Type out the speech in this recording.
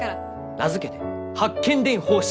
名付けて八犬伝方式！